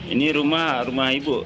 ini rumah ibu